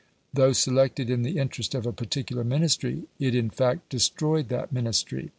Though selected in the interest of a particular Ministry, it in fact destroyed that Ministry.